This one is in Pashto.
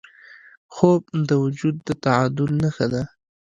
خوب د وجود د تعادل نښه ده